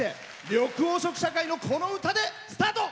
緑黄色社会のこの歌でスタート！